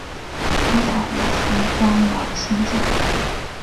阿塔罗斯柱廊兴建。